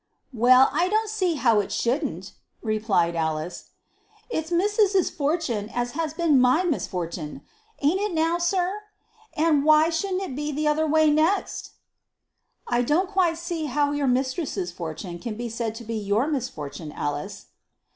"Well, I don't see as how it shouldn't," replied Alice. "It's mis'ess's fortun' as 'as been my misfortun' ain't it now, sir? An' why shouldn't it be the other way next?" "I don't quite see how your mistress's fortune can be said to be your misfortune, Alice."